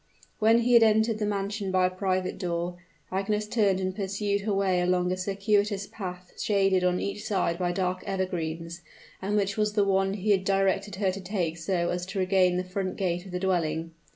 When he had entered the mansion by a private door, Agnes turned and pursued her way along a circuitous path shaded on each side by dark evergreens, and which was the one he had directed her to take so as to regain the front gate of the dwelling.